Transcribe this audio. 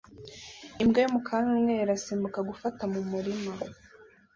Imbwa y'umukara n'umweru irasimbuka gufata mu murima